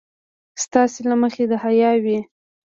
ستاسې له مخې د حيا وي.